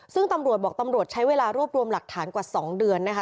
ซึ่งตำรวจบอกตำรวจใช้เวลารวบรวมหลักฐานกว่า๒เดือนนะคะ